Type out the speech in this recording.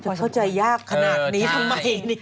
เข้าใจยากขนาดนี้ทำไม